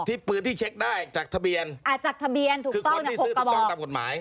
ที่ปื้นที่เช็คได้จากทะเบียนคือคนที่ซื้อถูกต้องตามกฎหมาย